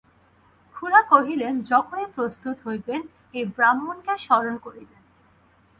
খুড়া কহিলেন, যখনই প্রস্তুত হইবেন এই ব্রাহ্মণকে স্মরণ করিবেন।